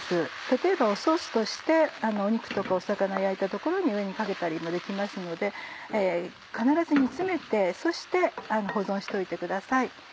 例えばソースとして肉とか魚焼いたところに上にかけたりもできますので必ず煮詰めてそして保存しておいてください。